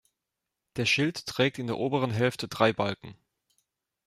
Der Schild trägt in der oberen Hälfte drei Balken.